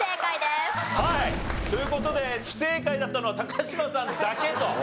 はいという事で不正解だったのは嶋さんだけと。